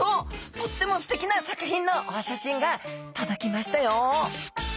とってもステキな作品のお写真が届きましたよ！